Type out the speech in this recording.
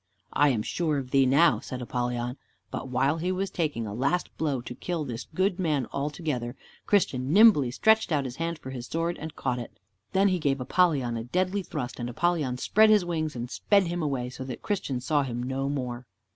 "I am sure of thee now," said Apollyon. But while he was taking a last blow to kill this good man altogether, Christian nimbly stretched out his hand for his sword, and caught it. Then he gave Apollyon a deadly thrust, and Apollyon spread his wings and sped him away, so that Christian saw him no more.